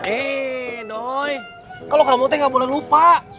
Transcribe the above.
eh doy kalau kamu tuh gak boleh lupa